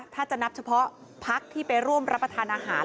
ถ้าจะนับเฉพาะพักที่ไปร่วมรับประทานอาหาร